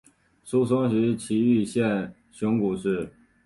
出生于崎玉县熊谷市。